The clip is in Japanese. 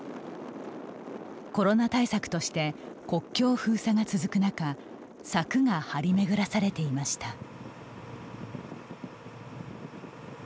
コロナ対策として国境封鎖が続く中柵が張り巡らされていました。